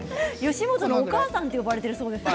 吉本のお母さんといわれているそうですね。